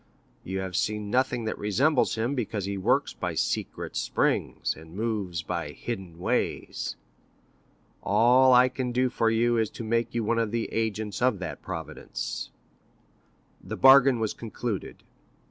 You have seen nothing that resembles him, because he works by secret springs, and moves by hidden ways. All I can do for you is to make you one of the agents of that Providence.' The bargain was concluded.